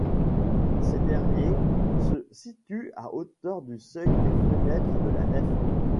Ces derniers se situent à hauteur du seuil des fenêtres de la nef.